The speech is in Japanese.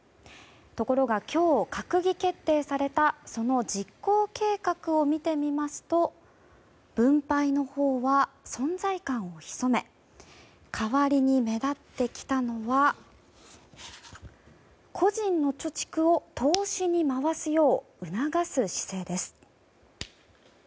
ところが今日、閣議決定されたその実行計画を見てみますと分配のほうは存在感をひそめ代わりに目立ってきたのは個人の貯蓄を投資に回すよう促す姿勢です。